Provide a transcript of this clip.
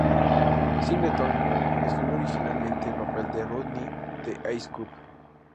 Singleton escribió originalmente el papel de Rodney de Ice Cube.